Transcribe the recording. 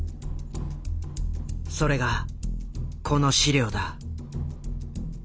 それがこの資料だ。